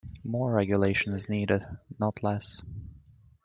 More regulation is needed, not less.